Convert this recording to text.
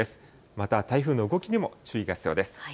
また台風の動きにも注意が必要です。